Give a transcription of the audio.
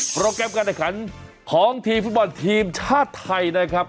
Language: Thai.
โปรแกรมการแข่งขันของทีมฟุตบอลทีมชาติไทยนะครับ